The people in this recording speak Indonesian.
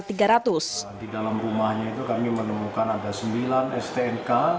di dalam rumahnya itu kami menemukan ada sembilan stnk